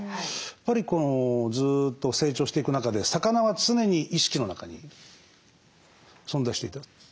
やっぱりずっと成長していく中で魚は常に意識の中に存在していた。